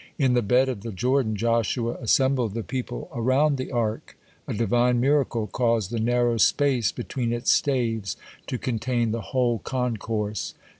(14) In the bed of the Jordan Joshua assembled the people around the Ark. A Divine miracle caused the narrow space between its staves to contain the whole concourse.